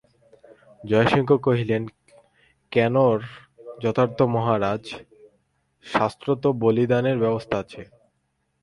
জয়সিংহ কহিলেন, কেন র যথার্থ মহারাজ, শাস্ত্রে তো বলিদানের ব্যবস্থা আছে।